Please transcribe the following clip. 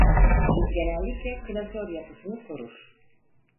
Bu genellikle klasör yapısını korur.